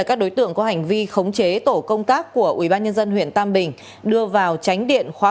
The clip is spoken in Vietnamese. cơ quan cảnh sát điều tra